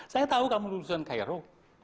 saya tahu kamu lulusan cairo